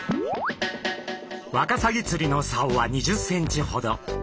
ワカサギ釣りのさおは２０ｃｍほど。